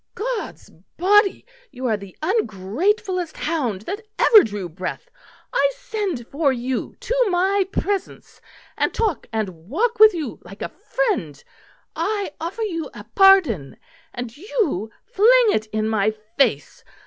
"God's Body! you are the ungratefullest hound that ever drew breath. I send for you to my presence, and talk and walk with you like a friend. I offer you a pardon and you fling it in my face.